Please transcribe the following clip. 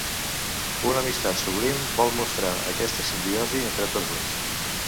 Una amistat sublim vol mostrar aquesta simbiosi entre tots dos.